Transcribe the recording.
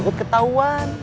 aku takut ketauan